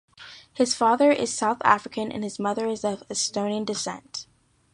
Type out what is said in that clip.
His father is South African and his mother is of Estonian descent.